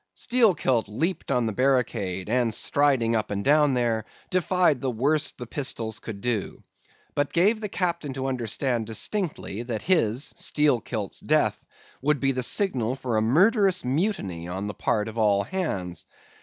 "Steelkilt leaped on the barricade, and striding up and down there, defied the worst the pistols could do; but gave the captain to understand distinctly, that his (Steelkilt's) death would be the signal for a murderous mutiny on the part of all hands.